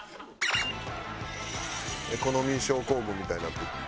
エコノミー症候群みたいになってる。